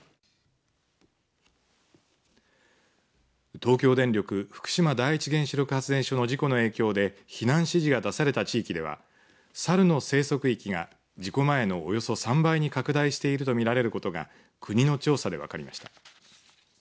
東京電力福島第一原子力発電所の事故の影響で避難指示が出された地域では猿の生息域が事故前のおよそ３倍に拡大していると見られることが国の調査で分かりました。